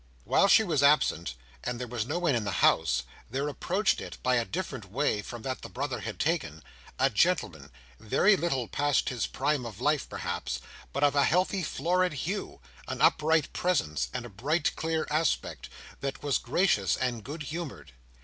While she was absent, and there was no one in the house, there approached it by a different way from that the brother had taken, a gentleman, a very little past his prime of life perhaps, but of a healthy florid hue, an upright presence, and a bright clear aspect, that was gracious and good humoured.